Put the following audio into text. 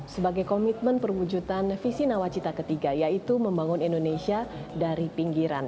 sebagai komitmen perwujudan visi nawacita ketiga yaitu membangun indonesia dari pinggiran